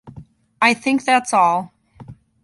I think that’s all.